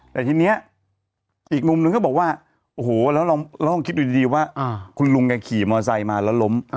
แต่ทีนี้อีกมุมนึงก็บอกว่าโอ้โหแล้วลองคิดดูดีว่าคุณลุงแกขี่มอไซค์มาแล้วล้ม